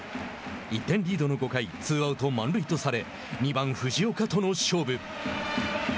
１点リードの５回ツーアウト、満塁とされ２番、藤岡との勝負。